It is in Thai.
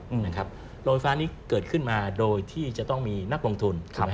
โรงไฟฟ้านี้เกิดขึ้นมาโดยที่จะต้องมีนักลงทุน